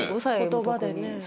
言葉でね。